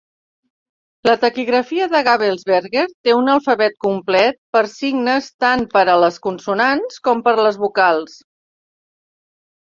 La taquigrafia de Gabelsberger té un alfabet complet amb signes tant per a les consonants com per a les vocals.